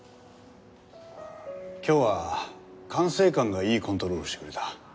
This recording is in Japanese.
今日は管制官がいいコントロールをしてくれた。